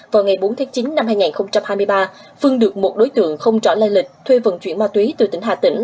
vào ngày bốn tháng chín năm hai nghìn hai mươi ba phương được một đối tượng không rõ lai lịch thuê vận chuyển ma túy từ tỉnh hà tĩnh